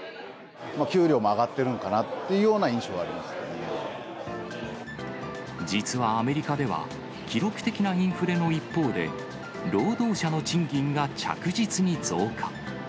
給料も上がってるのかなとい実はアメリカでは、記録的なインフレの一方で、労働者の賃金が着実に増加。